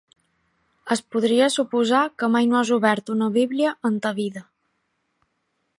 Es podria suposar que mai no has obert una Bíblia en ta vida.